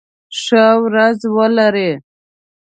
ښه ورځ ولری